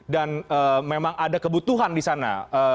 dan memang ada kebutuhan disana